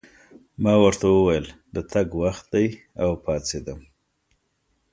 ما ورته وویل: د تګ وخت دی، او پاڅېدم.